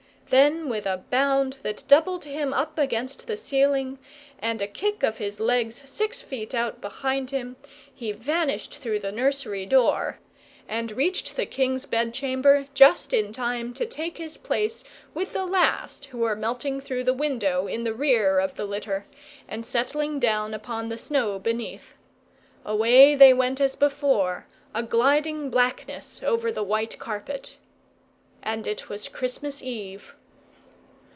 Then with a bound that doubled him up against the ceiling, and a kick of his legs six feet out behind him, he vanished through the nursery door, and reached the king's bed chamber just in time to take his place with the last who were melting through the window in the rear of the litter, and settling down upon the snow beneath. Away they went as before, a gliding blackness over the white carpet. And it was Christmas eve.